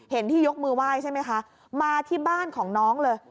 ที่ยกมือไหว้ใช่ไหมคะมาที่บ้านของน้องเลย